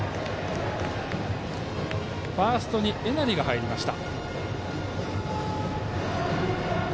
ファーストに江成が入りました。